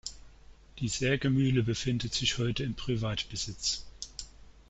Die Sägemühle befindet sich heute in Privatbesitz.